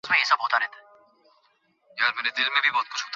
এ মাছ পৃথিবীব্যাপী পরিচিত।